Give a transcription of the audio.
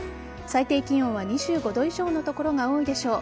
最低気温は２５度以上の所が多いでしょう。